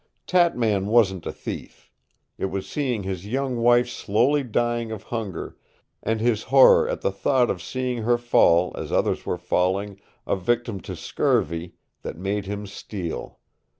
"Tatman wasn't a thief. It was seeing his young wife slowly dying of hunger, and his horror at the thought of seeing her fall, as others were falling, a victim to scurvy, that made him steal.